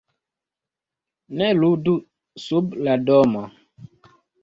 "Ne ludu sub la domo!"